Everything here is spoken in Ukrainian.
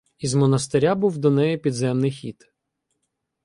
Із монастиря був до неї підземний хід.